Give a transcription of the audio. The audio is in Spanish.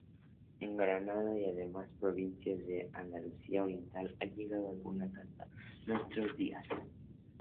En Granada y demás provincias de Andalucía Oriental han llegado algunas hasta nuestros días.